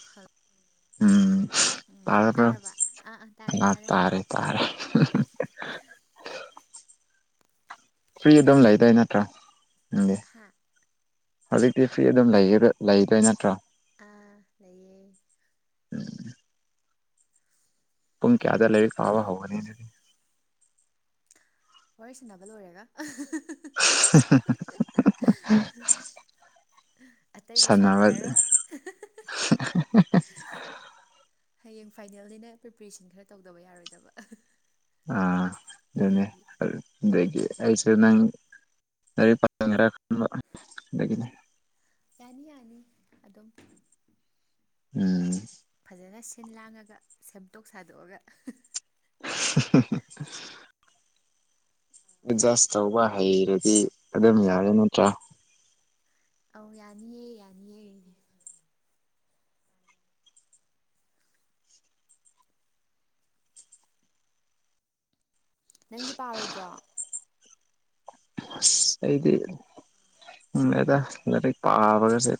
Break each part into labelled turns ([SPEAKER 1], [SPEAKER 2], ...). [SPEAKER 1] ꯍ
[SPEAKER 2] ꯎꯝ
[SPEAKER 1] ꯎꯝ
[SPEAKER 2] ꯇꯥꯔꯕ꯭ꯔꯣ
[SPEAKER 1] ꯇꯥꯔꯕ ꯑꯥ ꯑꯥ ꯇꯥꯔꯦ
[SPEAKER 2] ꯑ
[SPEAKER 1] ꯇꯥꯔꯦ
[SPEAKER 2] ꯇꯥꯔꯦ ꯐ꯭ꯔꯤ ꯑꯗꯨꯝ ꯂꯩꯗꯣꯏꯏ ꯅꯠꯇ꯭ꯔꯥ ꯎꯪꯗꯤ
[SPEAKER 1] ꯍꯥ
[SPEAKER 2] ꯍꯧꯖꯤꯛꯇꯤ ꯐ꯭ꯤ ꯑꯗꯨꯝ ꯂꯩꯗꯣꯏ ꯅꯠꯇ꯭ꯔꯣ
[SPEAKER 1] ꯑꯥ ꯂꯩꯌꯦ
[SPEAKER 2] ꯄꯨꯡ ꯀꯌꯥꯗ ꯂꯩꯔꯤ ꯀꯥꯕ ꯍꯧꯒꯅꯤ ꯑꯗꯨꯗꯤ
[SPEAKER 1] ꯋꯥꯔꯤ ꯁꯥꯟꯅꯕ ꯂꯣꯏꯔꯒ
[SPEAKER 2] ꯍꯨꯍꯨ ꯍꯨ
[SPEAKER 1] ꯑꯇꯩꯗꯤ ꯁꯥꯟꯅꯔꯔꯣꯏ ꯍꯌꯦꯡ ꯐꯥꯏꯅꯦꯜꯅꯤꯅ ꯄ꯭ꯔꯤꯄꯔꯦꯁꯟ ꯈꯔ ꯇꯧꯗꯕ ꯌꯥꯔꯣꯏꯗꯕ
[SPEAKER 2] ꯑ ꯑꯗꯨꯅꯦ
[SPEAKER 1] ꯑꯗꯨꯒꯤ
[SPEAKER 2] ꯑꯗꯒꯤ ꯑ ꯅ ꯄꯔ
[SPEAKER 1] ꯌꯥꯅꯤ ꯌꯥꯅꯤ ꯑꯗꯨꯝ
[SPEAKER 2] ꯎꯝ
[SPEAKER 1] ꯐꯖꯅ ꯁꯤꯜ ꯂꯥꯡꯉꯒ ꯁꯦꯝꯗꯣꯛ ꯁꯥꯗꯣꯛꯑꯒ
[SPEAKER 2] [unintelligible] ꯑꯦꯗꯖꯁ ꯇꯧꯕ ꯍꯩꯔꯗꯤ ꯑꯗꯨꯝ ꯌꯥꯔꯦ ꯅꯠꯇ꯭ꯔꯥ
[SPEAKER 1] ꯑ ꯌꯥꯅꯤꯌꯦ ꯌꯥꯅꯤꯑꯦ ꯅꯪꯗꯤ ꯄꯥꯔꯣꯏꯗ꯭ꯔꯣ
[SPEAKER 2] ꯑꯩꯗꯤ ꯎꯝ ꯑꯗ ꯂꯥꯏꯔꯤꯛ ꯄꯥꯕꯒꯁꯦ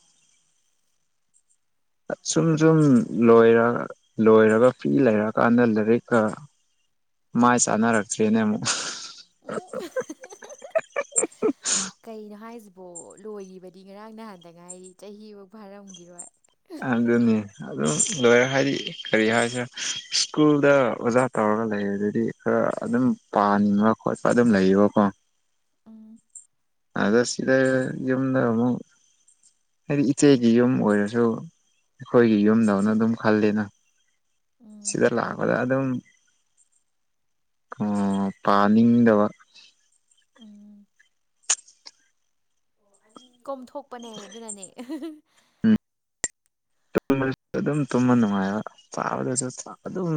[SPEAKER 2] ꯁꯨꯝ ꯁꯨꯝ ꯂꯣꯏ ꯂꯣꯏꯔꯒ ꯐꯤ ꯂꯩꯔꯀꯥꯟꯗ ꯂꯥꯏꯔꯤꯛꯀ ꯃꯥꯏ ꯆꯅꯔꯛꯇ꯭ꯔꯤꯅꯦꯃ ꯑ
[SPEAKER 1] ꯎꯝ ꯕꯣ ꯂꯣꯏꯈꯤꯕꯗꯤ ꯉꯔꯥꯡ ꯅꯍꯥꯟꯗ ꯉꯥꯏꯔꯤ ꯆꯍꯤꯐꯧ ꯐꯥꯔꯝꯈꯤꯔꯣꯏ
[SPEAKER 2] ꯑꯒꯅꯤ ꯑꯗꯨꯝ ꯂꯣꯏꯔꯦ ꯍꯥꯏꯗꯤ ꯀꯔꯤ ꯍꯥꯏꯁꯤꯔ ꯏꯁ꯭ꯀꯨꯜꯗ ꯑꯣꯖꯥ ꯇꯧꯔꯒ ꯂꯩꯔꯗꯨꯗꯤ ꯈꯔ ꯑꯗꯨꯝ ꯄꯥꯟꯕ ꯈꯣꯠꯄ ꯑꯗꯨꯝ ꯂꯩꯌꯦꯕꯀꯣ
[SPEAKER 1] ꯎꯝ
[SPEAKER 2] ꯑꯗꯣ ꯁꯤꯗ ꯌꯨꯝꯗ ꯑꯃꯨꯛ ꯍꯥꯏꯗꯤ ꯏꯆꯦꯒꯤ ꯌꯨꯝ ꯑꯣꯏꯔꯁꯨ ꯑꯩꯈꯣꯏꯒꯤ ꯌꯨꯝꯗꯧꯅ ꯑꯗꯨꯝ ꯈꯜꯂꯤꯅ
[SPEAKER 1] ꯎꯝ
[SPEAKER 2] ꯁꯤꯗꯂꯥꯎ ꯑꯣꯖꯥ ꯑꯗꯨꯝ ꯎꯝ ꯄꯥꯅꯤꯡꯗꯕ
[SPEAKER 1] ꯎꯝ ꯀꯣꯝꯊꯣꯛꯄꯅꯦ ꯑꯗꯨꯅꯅꯦ
[SPEAKER 2] ꯇꯨꯝꯕꯗꯁꯨ ꯑꯗꯨꯝ ꯇꯨꯝꯕ ꯅꯨꯡꯉꯥꯏꯕ ꯆꯥꯕꯗꯁꯨ ꯑꯗꯨꯝ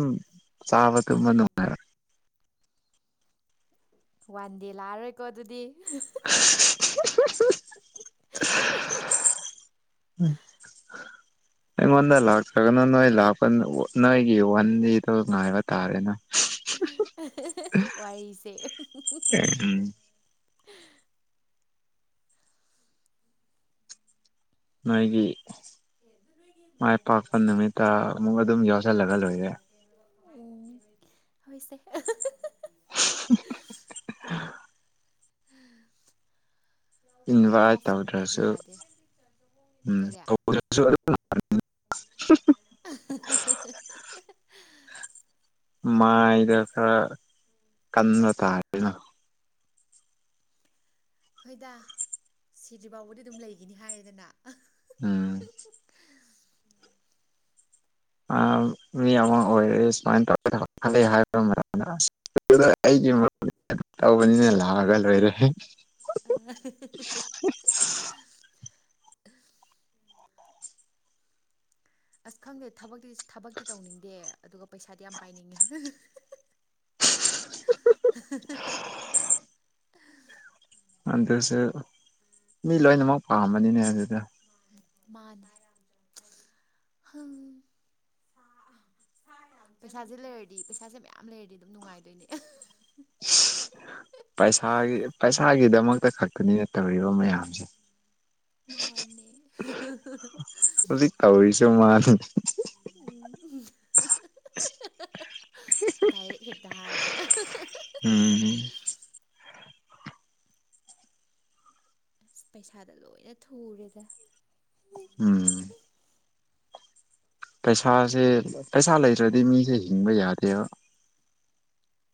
[SPEAKER 2] ꯆꯥꯕ ꯇꯨꯝꯕ ꯅꯨꯡꯉꯥꯏꯕ
[SPEAKER 1] ꯋꯥꯟꯗꯦ ꯂꯥꯛꯑꯔꯣꯏꯀꯣ ꯑꯗꯨꯗꯤ
[SPEAKER 2] ꯍꯨ ꯍꯨ ꯎꯝ ꯑꯩꯉꫭꯟꯗ ꯂꯥꯛꯇꯔꯒꯅ ꯅꯣꯏ ꯂꯥꯛꯄ ꯅꯣꯏꯒꯤ ꯋꯟꯗꯦꯗꫭ ꯉꯥꯏꯕ ꯇꯥꯔꯦꯗꯅ
[SPEAKER 1] ꯋꯥꯔꯤꯁꯦ
[SPEAKER 2] ꯎꯝ ꯅꯣꯏꯒꯤ ꯃꯥꯏ ꯄꯥꯛꯄ ꯅꯨꯃꯤꯠꯇ ꯑꯃꯨꯛ ꯑꯗꯨꯝ ꯌꯥꯎꯁ ꯆꯜꯂꯒ ꯂꫭꯏꯔꯦ
[SPEAKER 1] ꯎꯝ ꯑꫭꯏꯁꯦ
[SPEAKER 2] ꯏꯍꯤ ꯍꯤ ꯍꯤ ꯏꯟꯕꯥꯏ꯭ꯠ
[SPEAKER 1] ꯍꯣꯞ ꯊꯝꯗ꯭ꯔꯗꯤ
[SPEAKER 2] ꯇꯧꯗ꯭ꯔꯁꯨ
[SPEAKER 1] ꯌꯥꯗꯦ
[SPEAKER 2] ꯎꯝ
[SPEAKER 1] ꯀꯔꯤ
[SPEAKER 2] ꯀꯧꯗꯔꯁꯨ ꯑꯗꯨꯝ [unintelligible] [inaudible]
[SPEAKER 1] ꯑꯍꯥ ꯍꯥ ꯍꯥꯍꯥ
[SPEAKER 2] ꯃꯥꯏꯗ ꯈꯔ ꯀꯟꯕ ꯇꯥꯔꯦꯅ
[SPEAKER 1] ꯍꯣꯏꯗ ꯁꯤꯗ꯭ꯔꯤ ꯕꯥꯎꯕꯗꯤ ꯑꯗꯨꯝ ꯂꯩꯒꯤꯅꯤ ꯍꯥꯏꯔꯦꯗꯅ
[SPEAKER 2] ꯎꯝ ꯑ ꯃꯤ ꯑꯃ ꯑꯣꯏꯦ ꯁꯨꯃꯥꯏ ꯇꯧꯔ ꯊꯕꯛ ꯈꯜꯂꯛꯑꯦ ꯍꯥꯎꯕ ꯃꯇꯝꯗ ꯑꯁ [unintelligible] ꯇꯧꯕꯅꯤꯅ ꯂꯥꯛꯑꯒ ꯂꯣꯏꯔꯦ
[SPEAKER 1] ꯑꯩ ꯏꯍꯤ ꯍꯤ ꯍꯤ ꯑꯁ ꯈꯪꯗꯦ ꯊꯕꯛꯇꯤ ꯊꯕꯛꯇꯤ ꯇꯧꯅꯤꯡꯗꯦ ꯑꯗꯨꯒ ꯄꯩꯁꯥꯗꯤ ꯌꯥꯝ ꯄꯥꯏꯅꯤꯡꯉꯦ ꯑꯍꯥ ꯍꯥ ꯍꯥ ꯍꯥ
[SPEAKER 2] ꯑꯗꯨꯁꯨ ꯃꯤ ꯂꯣꯏꯅꯃꯛ ꯄꯥꯝꯕꯅꯤꯅꯦ ꯑꯗꯨꯗ
[SPEAKER 1] ꯃꯥꯅꯝ
[SPEAKER 2] [unintelligible]
[SPEAKER 1] ꯄꯩꯁꯥꯁꯦ ꯂꯩꯔꯗꯤ ꯄꯩꯁꯥꯁꯦ ꯃꯌꯥꯝ ꯂꯩꯔꯗꯤ ꯑꯗꯨꯝ ꯅꯨꯡꯉꯥꯏꯗꯣꯏꯅꯦ
[SPEAKER 2] ꯄꯩꯁꯥꯒꯤ ꯄꯩꯁꯥꯒꯤꯗꯃꯛꯇ ꯈꯛꯇꯅꯤꯅ ꯇꯧꯔꯤꯕ ꯃꯌꯥꯝꯁꯦ
[SPEAKER 1] ꯃꯥꯅꯦ
[SPEAKER 2] ꯗꯧ ꯃꯥꯜꯂꯦ
[SPEAKER 1] ꯎꯝ ꯗꯥꯏꯔꯦꯛ ꯍꯦꯛꯇ ꯍꯥꯏꯌꯦ
[SPEAKER 2] ꯎꯝ
[SPEAKER 1] ꯑꯁ ꯄꯩꯁꯥꯗ ꯂꯣꯏꯅ ꯊꯨꯔꯦꯗ
[SPEAKER 2] ꯎꯝ ꯄꯩꯁꯥꯁꯦ ꯄꯩꯁꯥ ꯂꯩꯇ꯭ꯔꯗꯤ ꯃꯤꯁꯦ ꯍꯤꯡꯕ ꯌꯥꯗꯦꯕ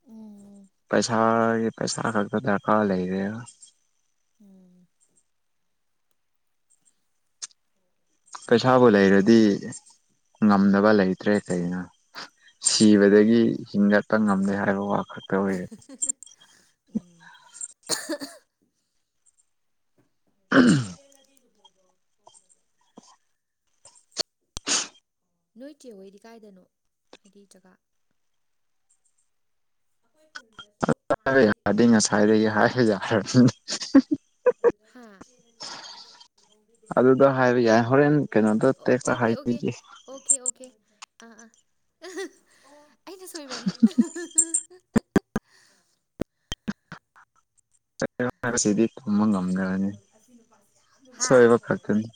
[SPEAKER 1] ꯎꯝ
[SPEAKER 2] ꯄꯩꯁꯥꯒꯤ ꯄꯩꯁꯥ ꯈꯛꯇ ꯗꯔꯀꯥꯔ ꯂꯩꯔꯦ
[SPEAKER 1] ꯎꯝ
[SPEAKER 2] ꯄꯩꯁꯥꯕꯨ ꯂꯩꯔꯗꯤ ꯉꯝꯗꯕ ꯂꯩꯇ꯭ꯔꯦ ꯀꯩꯅꫭ ꯁꯤꯕꯗꯒꯤ
[SPEAKER 1] ꯃꯥꯅꯦ
[SPEAKER 2] ꯍꯤꯡꯒꯠꯄ ꯉꯝꯂꯦ ꯍꯥꯏꯕ ꯋꯥ ꯈꯛꯇ ꯑꯣꯏꯔꯦ
[SPEAKER 1] ꯑꯍꯨ ꯑꯍꯨ [unintelligible] ꯅꯣꯏ ꯆꯦ ꯍꯣꯏꯗꯤ ꯀꯥꯏꯗꯅꯣ ꯍꯥꯏꯗꯤ ꯖꯒꯥ
[SPEAKER 2] ꯌꯥꯗꯤ ꯉꯁꯥꯏꯗ ꯍꯥꯏꯔ
[SPEAKER 1] ꯍꯥꯥ
[SPEAKER 2] ꯑꯗꯨꯗ ꯍꯥꯏꯕ ꯌꯥꯏ ꯍꯣꯔꯦꯟ ꯀꯩꯅꯣꯗꯣ
[SPEAKER 1] ꯑꯣ
[SPEAKER 2] ꯇꯦꯛꯇ ꯍꯥꯏꯕꯤꯒꯦ
[SPEAKER 1] ꯑ ꯑꯥ ꯑꯩꯅ ꯁꯣꯏꯕꯅꯦ
[SPEAKER 2] [unintelligible] ꯇꯝꯕ ꯉꯝꯗꯕꯅꯤ
[SPEAKER 1] ꯑꯥ
[SPEAKER 2] ꯁꯣꯏꯕ ꯈꯛꯇꯅꯤ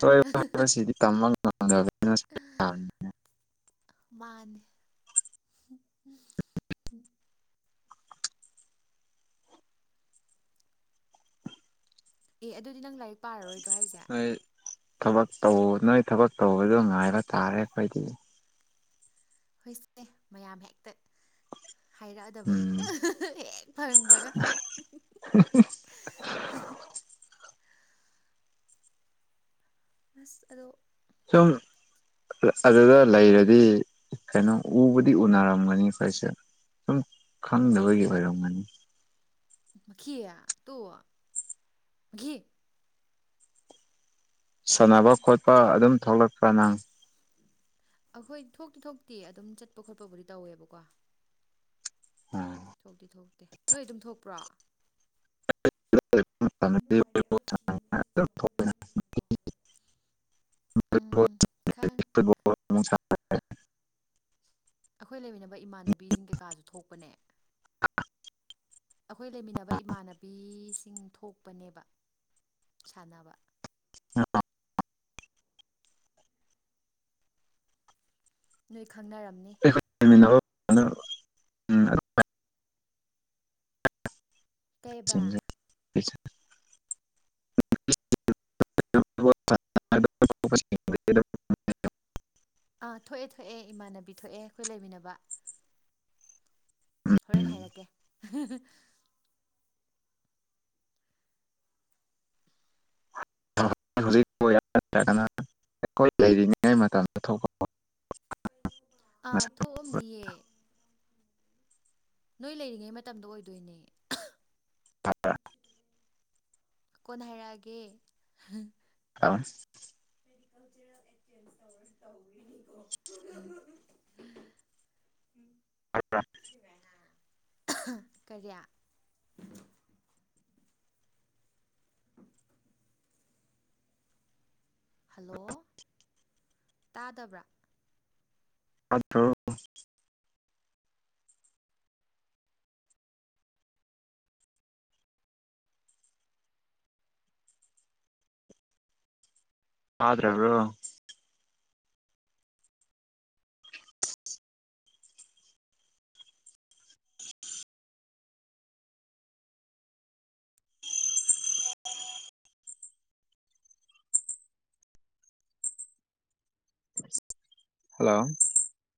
[SPEAKER 2] ꯁꯣꯏꯕ ꯍꯥꯏꯕꯁꯤꯗꯤ ꯇꯝꯕ ꯉꯝꯗꯕꯅꯤꯅ
[SPEAKER 1] ꯃꯥ ꯑꯦ ꯑꯗꯨꯗꯤ ꯅꯪ ꯂꯥꯏꯔꯤꯛ ꯄꯥꯔꯔꯣꯏꯗ꯭ꯔꯣ ꯍꯥꯏꯁꯦ
[SPEAKER 2] ꯅꯣꯏ ꯊꯕꯛ ꯇꯧ ꯅꯣꯏ ꯊꯕꯛ ꯇꯧꯕꯗꯣ ꯉꯥꯏꯕ ꯇꯥꯔꯦ ꯑꯩꯈꯣꯏꯗꯤ
[SPEAKER 1] ꯍꯣꯏꯁꯦ ꯃꯌꯥꯝ ꯍꯦꯛꯇ
[SPEAKER 2] ꯎꯝ
[SPEAKER 1] ꯍꯥꯏꯔꯛꯑꯗꯕꯅꯤ ꯍꯦꯛ ꯐꯪꯕꯒ [unintelligible] ꯑꯁ ꯑꯗꯣ
[SPEAKER 2] [unintelligible] ꯑꯗꯨꯗ ꯂꯩꯔꯗꯤ ꯀꯩꯅꯣ ꯎꯕꯨꯗꯤ ꯎꯅꯔꯝꯒꯅꯤ ꯑꯩꯈꯣꯏꯁꯦ ꯁꯨꯝ ꯈꯪꯗꯕꯒꯤ ꯑꯣꯏꯔꯝꯒꯅꯤ
[SPEAKER 1] ꯇꯣꯈꯤ
[SPEAKER 2] ꯁꯥꯟꯅꯕ ꯈꯣꯠꯄ ꯑꯗꯨꯝ ꯊꯣꯛꯂꯛꯄ꯭ꯔꯥ ꯅꯪ
[SPEAKER 1] ꯑꯩꯈꯣꯏ ꯊꯣꯛꯇꯤ ꯊꯣꯛꯇꯤ ꯑꯗꯨꯝ ꯆꯠꯄ ꯈꯣꯠꯄꯕꯨꯗꯤ ꯇꯧꯋꯦꯕꯀꯣ
[SPEAKER 2] ꯎꯝ
[SPEAKER 1] ꯊꯣꯛꯇꯤ ꯊꯣꯛꯇꯦ ꯅꯣꯏ ꯑꯗꯨꯝ ꯊꯣꯛꯄ꯭ꯔꯣ
[SPEAKER 2] [unintelligible]
[SPEAKER 1] ꯎꯝ ꯈꯪ
[SPEAKER 2] [unintelligible]
[SPEAKER 1] ꯑꯩꯈꯣꯏ ꯂꯩꯃꯤꯟꯅꯕ ꯏꯃꯥꯟꯅꯕꯤꯁꯤꯡ ꯀꯩꯀꯥꯁꯨ ꯊꯣꯛꯄꯅꯦ
[SPEAKER 2] [unintelligible]
[SPEAKER 1] ꯑꯩꯈꯣꯏ ꯂꯩꯃꯤꯟꯅꯕ ꯏꯃꯥꯟꯅꯕꯤꯁꯤꯡ ꯊꯣꯛꯄꯅꯦꯕ ꯁꯅꯕ
[SPEAKER 2] ꯑ
[SPEAKER 1] ꯅꯣꯏ ꯈꯪꯅꯔꯝꯅꯤ
[SPEAKER 2] ꯑ ꯎꯝ
[SPEAKER 1] ꯀꯩꯕꯥ
[SPEAKER 2] [inaudible] [inaudible]
[SPEAKER 1] ꯑꯥ ꯊꯣꯛꯑꯦ ꯊꯣꯛꯑꯦ ꯏꯃꯥꯟꯅꯕꯤ ꯊꯣꯛꯑꯦ ꯑꯩꯈꯣꯏ ꯂꯩꯃꯤꯟꯅꯕ ꯍꯣꯔꯦꯟ ꯍꯥꯏꯔꯛꯀꯦ
[SPEAKER 2] ꯍꯧꯖꯤꯛꯄ ꯌꯥꯝꯒꯅ ꯑꯩꯈꯣꯏ ꯂꯩꯔꯤꯉꯉꯩ ꯃꯇꯝꯗ
[SPEAKER 1] ꯑꯥ ꯊꯣꯛꯑꯝꯅꯤꯌꯦ ꯅꯣꯏ ꯂꯩꯔꯤꯉꯩ ꯃꯇꯝꯗꯣ ꯑꯣꯏꯗꯣꯏꯅꯦ
[SPEAKER 2] [inaudible]
[SPEAKER 1] ꯀꯣꯟꯅ ꯍꯥꯏꯔꯛꯑꯒꯦ
[SPEAKER 2] [inaudible]
[SPEAKER 1] [inaudible]
[SPEAKER 2] [inaudible]
[SPEAKER 1] ꯀꯔꯤꯌꯥ ꯍꯜꯂꯣ ꯇꯥꯗꯕ꯭ꯔꯥ
[SPEAKER 2] ꯑꯣ ꯑ꯭ꯔꯕꯣ ꯍꯜꯂꯣ